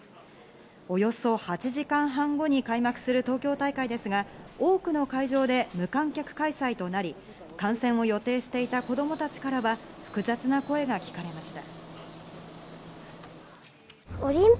およそ８時間半後に開幕する東京大会ですが、多くの会場で無観客開催となり観戦を予定していた子供たちからは複雑な声が聞かれました。